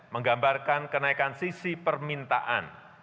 menggambarkan kenaikan sisi permintaan